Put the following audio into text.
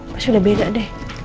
pasti udah beda deh